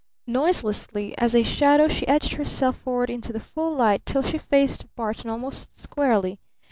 Noiselessly as a shadow she edged herself forward into the light till she faced Barton almost squarely.